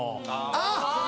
あっ！